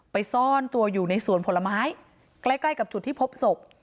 ซ่อนตัวอยู่ในสวนผลไม้ใกล้ใกล้กับจุดที่พบศพ